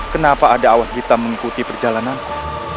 kenapa ada awan hitam mengikuti perjalananku